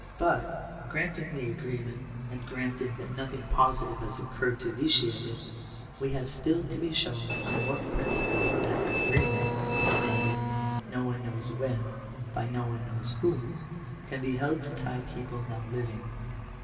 But,* granting the agreement, and granting that nothing positive has occurred to vitiate it, we have still to be shown on what principle that agreement, made, no one knows when, by no one knows whom, can be held to tie people now living.